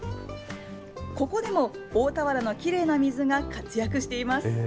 ここでも大田原のきれいな水が活躍しています。